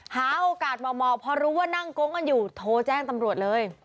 หาโอกาสเหมาะพอรู้ว่านั่งโก๊งกันอยู่โทรแจ้งตำรวจเลย